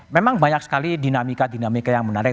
memang banyak sekali dinamika dinamika yang menarik